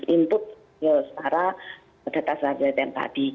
input secara data data yang tadi